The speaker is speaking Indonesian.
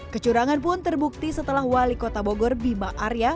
kecurangan pun terbukti setelah wali kota bogor bima arya